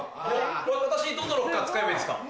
私どのロッカー使えばいいですか？